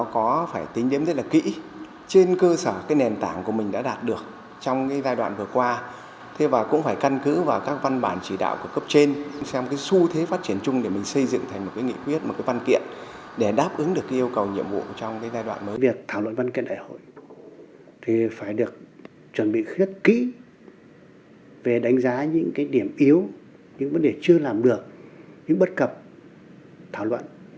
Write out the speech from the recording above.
chuẩn bị rất kỹ về đánh giá những điểm yếu những vấn đề chưa làm được những bất cập thảo luận